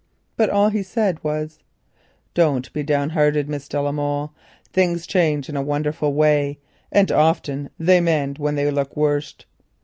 But all he said was: "Don't be downhearted, Miss de la Molle. Things change in a wonderful way, and often they mend when they look worst.